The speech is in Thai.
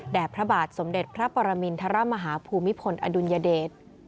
พระบาทสมเด็จพระปรมินทรมาฮาภูมิพลอดุลยเดช